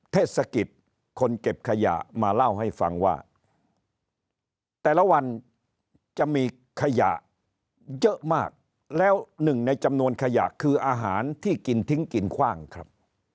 เทศกิจคนเก็บขยะมาเล่าให้ฟังว่าแต่ละวันจะมีขยะเยอะมากแล้วหนึ่งในจำนวนขยะคืออาหารที่กินทิ้งกินคว่างครับ